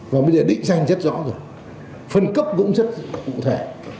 và bây giờ định danh rất rõ rồi phân cấp cũng rất là cụ thể